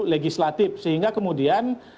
legislatif sehingga kemudian